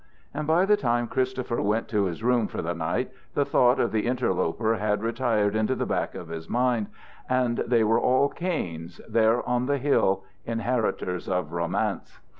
And by the time Christopher went to his room for the night the thought of the interloper had retired into the back of his mind, and they were all Kains there on the Hill, inheritors of romance.